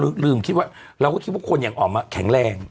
ลืมลืมคิดว่าเราก็คิดว่าคนอย่างอ๋อมแข็งแรง